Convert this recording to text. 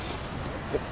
えっ？